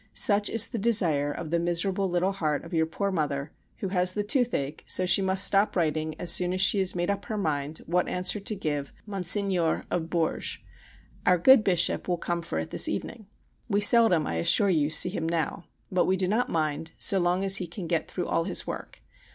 Such is the desire of the miserable little heart of your poor Mother who has the toothache, so she must stop writing as soon as she has made up her mind what answer to give Monseigneur of Bourges. Our good Bishop will come for it this evening. We seldom, I assure you, see him now. But we do not mind so long as he can get through all his work.